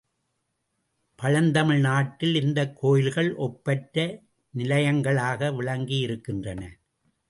பழந்தமிழ் நாட்டில் இந்தக் கோயில்கள் ஒப்பற்ற நிலையங்களாக விளக்கியிருக்கின்றன.